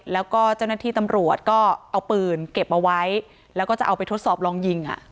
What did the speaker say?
แล้วก็เจ้าหน้าที่ตำรวจก็เอาปืนเก็บเอาไว้แล้วก็จะเอาไปทดสอบลองยิง